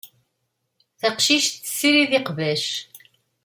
Taqcict tessirid iqbac.